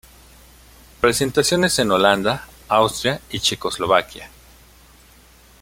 Presentaciones en Holanda, Austria y Checoslovaquia.